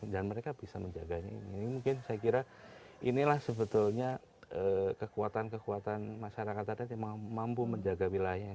dan mereka bisa menjaganya ini mungkin saya kira inilah sebetulnya kekuatan kekuatan masyarakat adat yang mampu menjaga wilayahnya